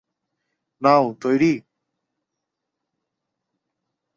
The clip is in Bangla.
নাও, তৈরি?